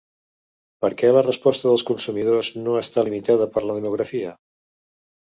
Per què la resposta dels consumidors no està limitada per la demografia?